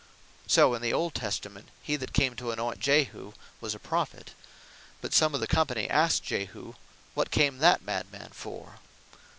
So in the old Testament he that came to anoynt Jehu, (2 Kings 9.11.) was a Prophet; but some of the company asked Jehu, "What came that mad man for?"